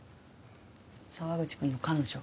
沢口くんの彼女？